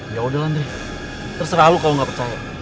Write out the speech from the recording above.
yaudah landry terserah lu kalo gak percaya